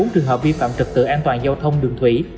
năm mươi bốn trường hợp vi phạm trực tự an toàn giao thông đường thủy